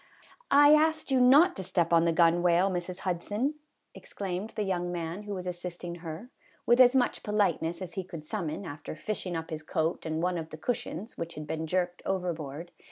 " I asked you not to step on the gunwale, Mrs. Hudson," exclaimed the young man who was assist ing her, with as much politeness as he could sum mon after fishing up his coat and one of the cush ions, which had been jerked overboard.